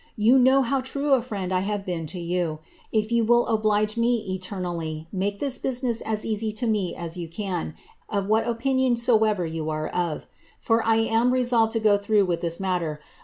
You know how true a friend I have been to you ; oblige me eternally, make this business as easy to me as you can, of )n soever yoa are of; for I am resolved to go through with this mat